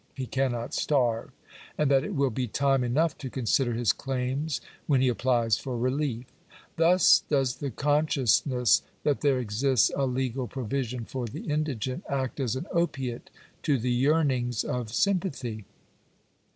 he cannot starve, and that it will be time enough to consider his claims when he applies for relief. Thus does the conscious ness that there exists a legal provision for the indigent, act as an opiate to the yearnings of sympathy.